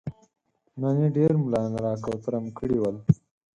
نن يې ډېر ملايان را کوترم کړي ول.